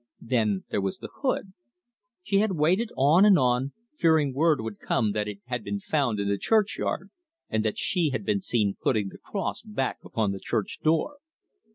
Then, there was the hood. She had waited on and on, fearing word would come that it had been found in the churchyard, and that she had been seen putting the cross back upon the church door.